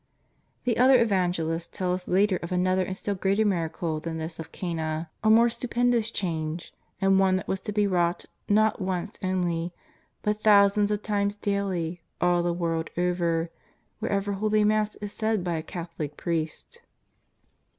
The other Evangelists 'tell us later of another and still greater miracle than this of Cana, a more stupendous change, and one that was to be wrought not once only, but thousands of times daily, all the Avorld over, wherever Holy Mass is said by a Catholic priest.